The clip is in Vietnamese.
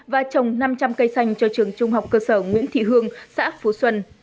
và trồng năm trăm linh cây xanh cho trường trung học cơ sở nguyễn thị hương xã phú xuân